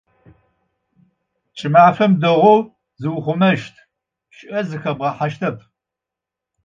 Кӏымафэм дэгъэу зыухъумэщт, чъыӏэ зыхэбгъэхьэщтэп.